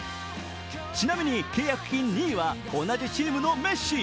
ちなみに、契約金２位は同じチームのメッシ。